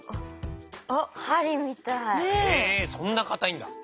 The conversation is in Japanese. へえそんな硬いんだ。